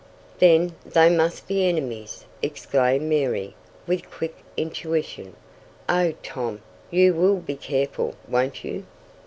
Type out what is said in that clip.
"Then they must be enemies!" exclaimed Mary with quick intuition. "Oh, Tom, you will be careful, won't you?"